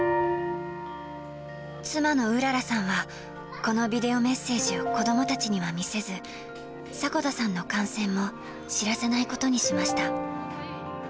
妻の麗さんは、このビデオメッセージを子どもたちには見せず、迫田さんの感染も知らせないことにしました。